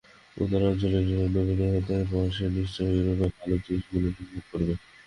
উত্তরাঞ্চলের নিরানন্দ অভিজ্ঞতার পর সে নিশ্চয়ই ইউরোপের ভাল জিনিষগুলি উপভোগ করবে।